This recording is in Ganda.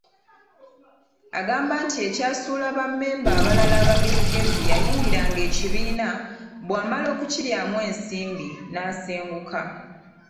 Agamba nti ekyasuula Bammemba abalala abagezigezi yayingiranga ekibiina, bw’amala okukiryamu ensimbi n’asenguka.